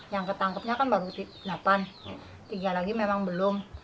yang ketangkepnya kan baru delapan tiga lagi memang belum